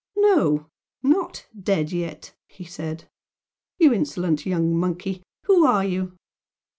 "No, not dead yet!" he said "You insolent young monkey! Who are you?"